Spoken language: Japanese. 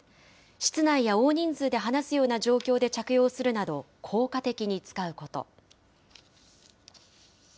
室内や大人数で話すような状況で着用するなど、効果的に使うこと。